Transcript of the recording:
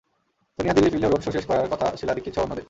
সোনিয়া দিল্লি ফিরলেও road show শেষ করার কথা শীলা দীক্ষিতসহ অন্যদের।